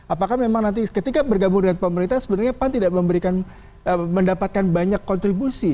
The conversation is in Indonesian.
apakah memang nanti ketika bergabung dengan pemerintah sebenarnya pan tidak memberikan mendapatkan banyak kontribusi